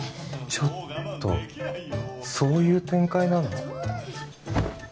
ちょっとそういう展開なの？